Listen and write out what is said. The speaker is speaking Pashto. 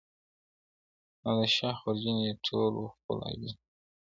او د شا خورجین یې ټول وه خپل عیبونه -